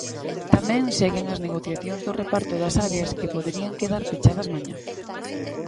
Tamén Seguen as negociacións do reparto das áreas que poderían quedar pechadas mañá.